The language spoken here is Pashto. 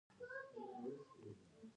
د ګالیلیو تجربه د آزاد سقوط قانون ورکړ.